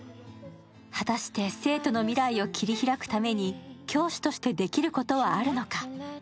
果たして生徒の未来を切り開くために教師としてできることはあるのか。